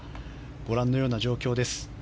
ご覧のような状況です。